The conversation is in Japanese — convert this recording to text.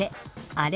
「あれ」